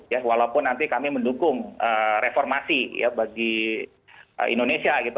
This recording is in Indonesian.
ya walaupun nanti kami mendukung reformasi ya bagi indonesia gitu